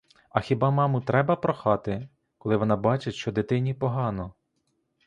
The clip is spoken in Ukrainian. А хіба маму треба прохати, коли вона бачить, що дитині погано?